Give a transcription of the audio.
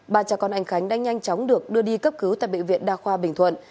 ba cháu con anh khánh đang nhanh chóng được đưa đi cấp cứu tại bệ viện đa khoa bình thuận